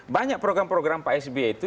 banyak program program pak sby itu